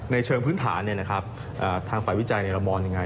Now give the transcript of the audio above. เชิงพื้นฐานทางฝ่ายวิจัยเรามองยังไง